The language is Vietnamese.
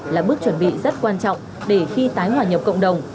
là bước chuẩn bị rất quan trọng để khi tái hòa nhập cộng đồng